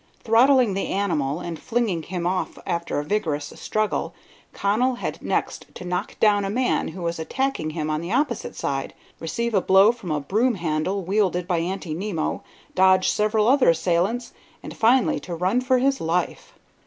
Throttling the animal and flinging him off after a vigorous struggle, Connell had next to knock down a man who was attacking him on the opposite side, receive a blow from a broom handle wielded by Aunty Nimmo, dodge several other assailants, and finally to run for his life.